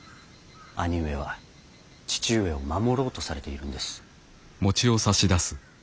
兄上は父上を守ろうとされているんです。